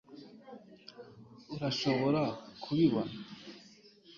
urashobora kubibona